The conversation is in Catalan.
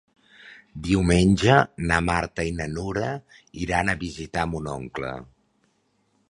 Diumenge na Marta i na Nura iran a visitar mon oncle.